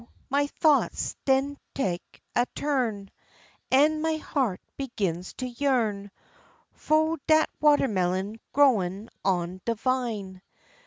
my thoughts den tek a turn, An' my heart begins to yearn Fo' dat watermelon growin' on de vine.